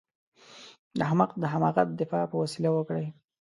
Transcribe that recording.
د احمق د حماقت دفاع په وسيله وکړئ.